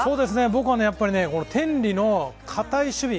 僕はやっぱり天理の堅い守備。